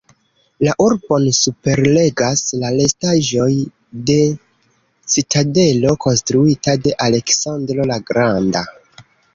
La urbon superregas la restaĵoj de citadelo konstruita de Aleksandro la Granda.